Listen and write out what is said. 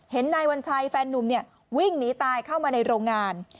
นายวัญชัยแฟนนุ่มวิ่งหนีตายเข้ามาในโรงงาน